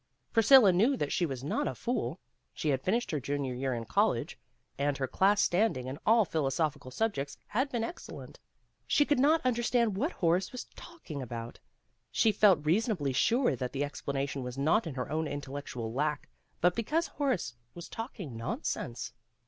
Priscilla knew that she was not a fool. She had finished her junior year in college, and her class standing in all philosophical subjects had been excellent. If she could not understand what Horace was talking about, she felt reasonably sure that the explanation was not in her own intellectual lack but because Horace was talking nonsense.